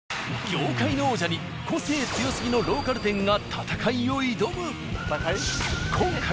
業界の王者に個性強すぎのロ―カル店が戦いを挑む。